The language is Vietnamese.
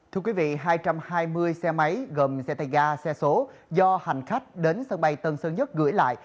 thưa quý vị hai trăm hai mươi xe máy gồm xe tay ga xe số do hành khách đến sân bay tân sơn nhất gửi lại